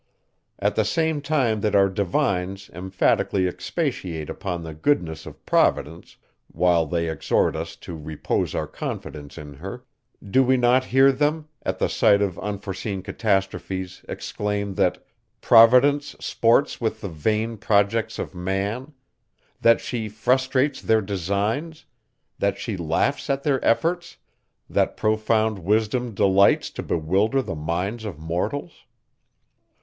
At the same time that our divines emphatically expatiate upon the goodness of Providence, while they exhort us to repose our confidence in her, do we not hear them, at the sight of unforeseen catastrophes, exclaim, that Providence sports with the vain projects of man, that she frustrates their designs, that she laughs at their efforts, that profound wisdom delights to bewilder the minds of mortals?